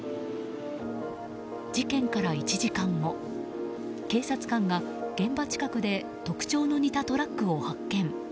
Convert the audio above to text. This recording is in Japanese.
事件から１時間後、警察官が現場近くで特徴の似たトラックを発見。